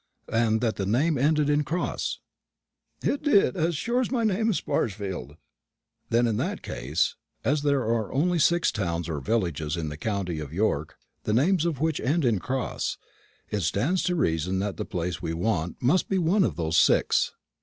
"And that the name ended in Cross?" "It did, as sure as my name is Sparsfield." "Then in that case, as there are only six towns or villages in the county of York the names of which end in Cross, it stands to reason that the place we want must be one of those six."